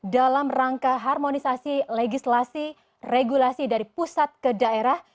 dalam rangka harmonisasi legislasi regulasi dari pusat ke daerah